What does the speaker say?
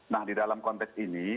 nah di dalam konteks ini